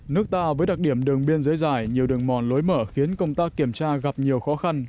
nước ta với đặc điểm đường biên giới dài nhiều đường mòn lối mở khiến công tác kiểm tra gặp nhiều khó khăn